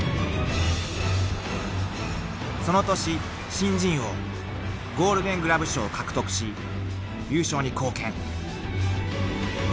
［その年新人王ゴールデングラブ賞を獲得し優勝に貢献］